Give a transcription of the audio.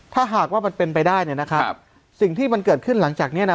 ถ้าหากว่ามันเป็นไปได้เนี่ยนะครับสิ่งที่มันเกิดขึ้นหลังจากเนี้ยนะ